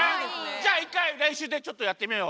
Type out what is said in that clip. じゃあ１かいれんしゅうでちょっとやってみよう。